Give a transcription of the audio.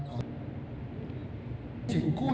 สวัสดีครับ